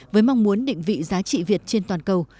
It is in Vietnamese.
với mong muốn định vị giá trị việt trên toàn cầu